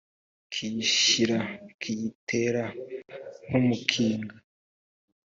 kiyishyira kiyitera nk umukinga